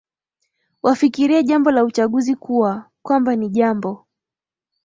wafikirie jambo la uchaguzi kuwa kwamba ni jambo